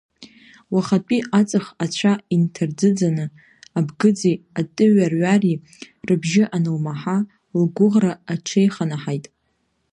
Уахатәи аҵых ацәа инҭарӡыӡаны, абгыӡи атыҩарҩари рыбжьы анылмаҳа, лгәыӷра аҽеиханаҳаит.